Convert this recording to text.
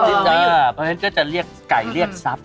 เพราะฉะนั้นก็จะเรียกไก่เรียกทรัพย์